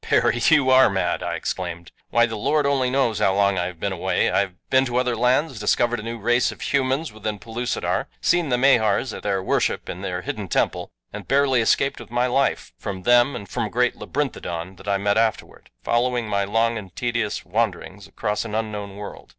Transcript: "Perry, you ARE mad," I exclaimed. "Why, the Lord only knows how long I have been away. I have been to other lands, discovered a new race of humans within Pellucidar, seen the Mahars at their worship in their hidden temple, and barely escaped with my life from them and from a great labyrinthodon that I met afterward, following my long and tedious wanderings across an unknown world.